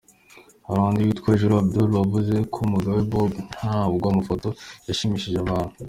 Hari undi witwa Juru Abdoul wavuze ati “Mugabe Bob, ntabwo amafoto yashimishije abantu.